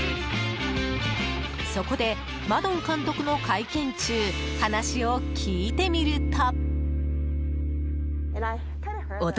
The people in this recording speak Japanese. そこで、マドン監督の会見中話を聞いてみると。